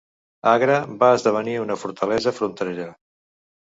Agra va esdevenir una fortalesa fronterera.